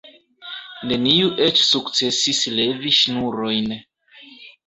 Neniu eĉ sukcesis levi ŝnurojn.